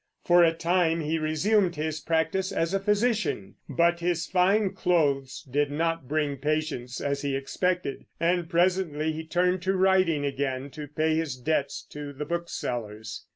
For a time he resumed his practice as a physician, but his fine clothes did not bring patients, as he expected; and presently he turned to writing again, to pay his debts to the booksellers.